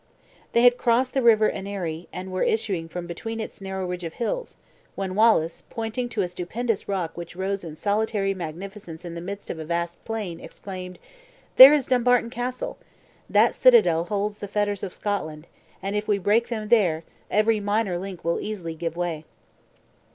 They had crossed the River Ennerie, and were issuing from between its narrow ridge of hills, when Wallace, pointing to a stupendous rock which rose in solitary magnificence in the midst of a vast plain, exclaimed, "There is Dumbarton Castle! that citadel holds the fetters of Scotland; and if we break them there, every minor link will easily give way."